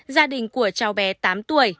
gia đình của cháu bé tám tuổi